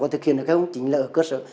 có thực hiện được không chính là ở cơ sở